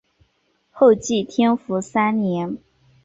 后晋天福三年。